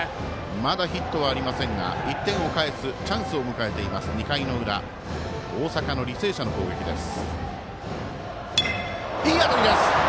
まだヒットはありませんが１点を返すチャンスを迎えています、２回の裏大阪、履正社の攻撃です。